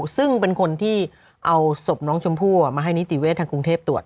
ซึ่งเป็นคนที่เอาศพน้องชมพู่มาให้นิติเวศทางกรุงเทพตรวจ